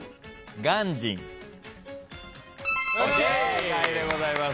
正解でございます。